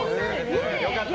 良かった。